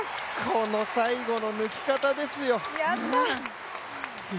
この最後の抜き方ですよ。